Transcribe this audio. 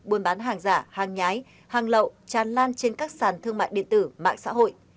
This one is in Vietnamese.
buôn bán hàng giả hàng nhái hàng lậu tràn lan trên các sàn thương mại điện tử mạng xã hội